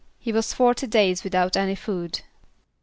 =He was forty days without any food.